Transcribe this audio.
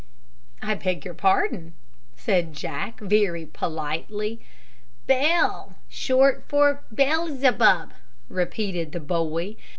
"I beg your pardon," said Jack, very politely. "Bell short for Bellzebub," repeated the boy.